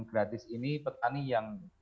gratis ini petani yang